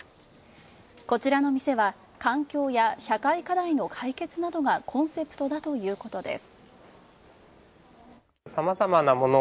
こちらの店は、環境や社会課題の解決などがコンセプトだということです。